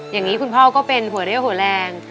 อย่างนี้คุณพ่อก็เป็นหัวเรี่ยวหัวแรง